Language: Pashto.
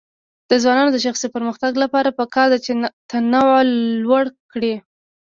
د ځوانانو د شخصي پرمختګ لپاره پکار ده چې تنوع لوړ کړي.